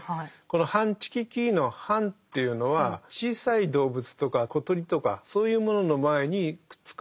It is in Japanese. この「ハンチキキ」の「ハン」というのは小さい動物とか小鳥とかそういうものの前にくっつく。